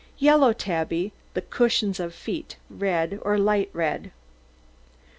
Yellow tabby, the cushions of feet red, or light red.